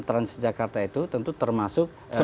transjakarta itu tentu termasuk